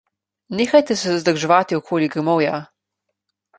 Nehajte se zadrževati okoli grmovja.